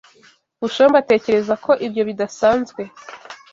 Bushombe atekereza ko ibyo bidasanzwe.